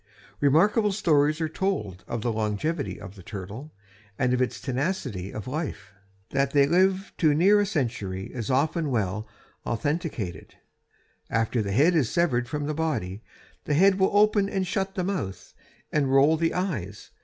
Remarkable stories are told of the longevity of the turtle and of its tenacity of life. That they live to near a century is well authenticated. After the head is severed from the body the head will open and shut the mouth and roll the eyes.